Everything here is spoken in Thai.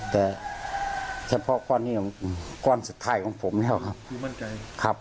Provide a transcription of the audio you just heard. แต่เฉพาะก้อนในตอนสุดท้ายของผมครับ